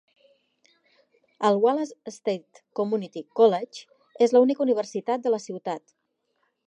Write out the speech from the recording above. El Wallace State Community College és la única universitat de la ciutat.